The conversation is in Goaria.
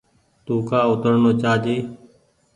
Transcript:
تو ڪآ اوترڻو چآ جي۔